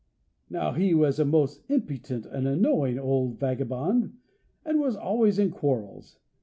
Now he was a most impudent and annoying old vagabond, and was always in quarrels.